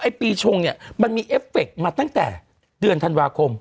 ไอ้ปีชงมันมีเอฟเฟกต์มาตั้งแต่เดือนธันวาคม